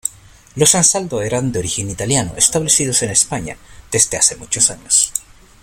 Los Ansaldo eran de origen italiano, establecidos en España desde hace muchos años.